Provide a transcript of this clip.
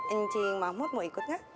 encing mahmud mau ikut gak